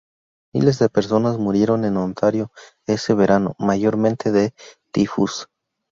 Miles de personas murieron en Ontario ese verano, mayormente de tifus.